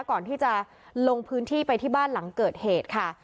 ก่อนที่จะลงพื้นที่ไปที่บ้านหลังเกิดเหตุค่ะ